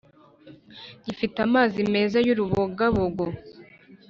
gifite amazi meza y’urubogabogo